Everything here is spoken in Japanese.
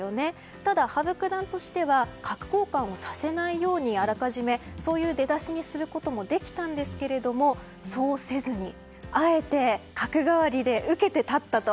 ただ、羽生九段としては角交換をさせないようにそういう出だしをすることもできたんですけれどもそうせずにあえて角換わりで受けて立ったと。